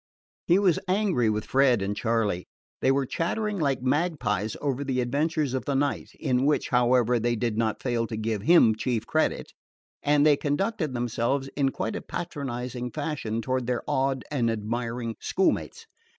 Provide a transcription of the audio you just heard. He was angry with Fred and Charley. They were chattering like magpies over the adventures of the night (in which, however, they did not fail to give him chief credit), and they conducted themselves in quite a patronizing fashion toward their awed and admiring schoolmates.